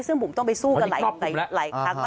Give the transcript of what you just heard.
ซึ่งบุ๋มต้องไปสู้กันหลายครั้ง